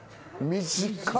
短い。